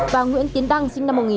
cả hai khung trúng tại xã ngọc đường